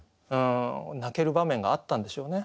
泣ける場面があったんでしょうね。